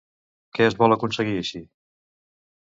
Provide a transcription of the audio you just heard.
Què es vol aconseguir així?